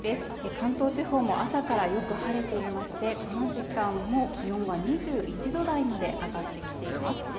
関東地方も朝からよく晴れていまして、この時間も気温は２１度台まで上がってきています。